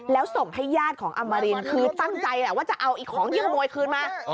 แล้วส่งให้ญาติของอมรินคือตั้งใจแหละว่าจะเอาของที่ขโมยคืนมา